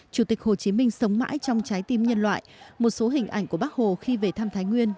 chủ tịch hồ chí minh sống mãi trong trái tim nhân loại một số hình ảnh của bác hồ khi về thăm thái nguyên